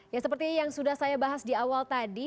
ya seperti yang sudah saya bahas di awal tadi